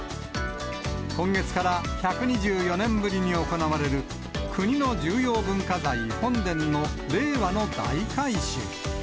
今月から１２４年ぶりに行われる、国の重要文化財、本殿の令和の大改修。